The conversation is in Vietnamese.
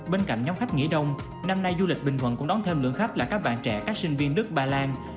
bên cạnh nhóm khách nghỉ đông năm nay du lịch bình thuận cũng đón thêm lượng khách là các bạn trẻ các sinh viên đức ba lan